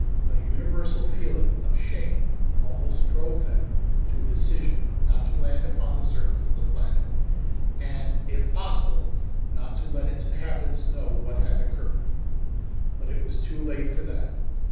A universal feeling of shame almost drove them to a decision not to land upon the surface of the planet, and if possible not to let its inhabitants know what had occurred. But it was too late for that.